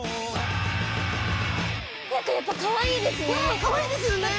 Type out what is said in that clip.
何かやっぱかわいいですね。